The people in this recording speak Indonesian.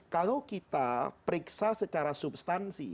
kalau kita periksa secara substansi